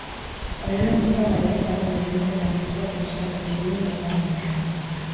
Oraingoz ez da bahiketaren inguruko balizko erreskate-diruren aipamenik egin.